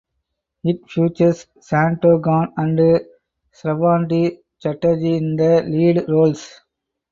It features Shanto Khan and Srabanti Chatterjee in the lead roles.